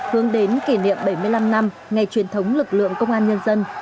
hướng đến kỷ niệm bảy mươi năm năm ngày truyền thống lực lượng công an nhân dân